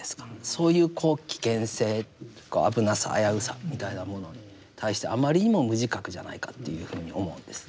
そういう危険性というか危なさ危うさみたいなものに対してあまりにも無自覚じゃないかというふうに思うんです。